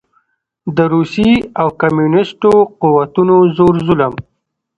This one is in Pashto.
د روسي او کميونسټو قوتونو زور ظلم